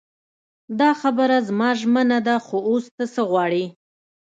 دا خبره زما ژمنه ده خو اوس ته څه غواړې.